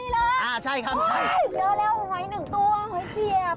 อ๋อนี่แหละโอ๊ยเจอแล้วหอย๑ตัวหอยเสียบใช่ครับ